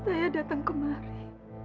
saya datang kemari